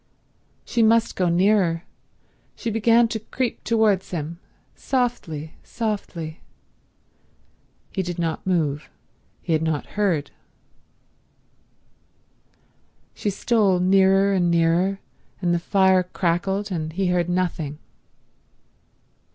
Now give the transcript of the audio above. She must go nearer. She began to creep towards him—softly, softly. He did not move. He had not heard. She stole nearer and nearer, and the fire crackled and he heard nothing.